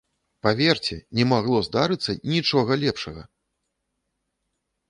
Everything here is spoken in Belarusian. Паверце, не магло здарыцца нічога лепшага!